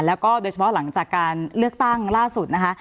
แล้วก็โดยเฉพาะหลังจากการเลือกตั้งล่าสุดนะคะ